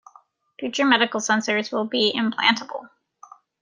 Future medical sensors will be implantable.